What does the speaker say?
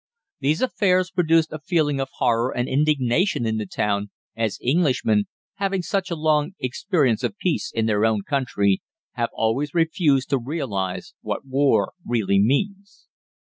These affairs produced a feeling of horror and indignation in the town, as Englishmen, having such a long experience of peace in their own country, have always refused to realise what war really means.